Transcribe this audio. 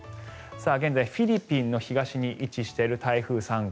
現在、フィリピンの東に位置している台風３号。